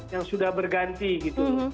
yang sudah berganti gitu